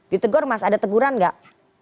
ditegur mas ada teguran nggak